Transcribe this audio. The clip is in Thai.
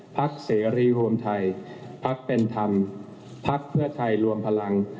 เสรีรวมไทยพักเป็นธรรมพักเพื่อไทยรวมพลัง